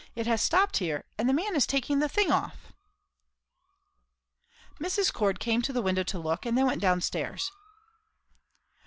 It has stopped here, and the man is taking the thing off." Mrs. Cord came to the window to look, and then went down stairs.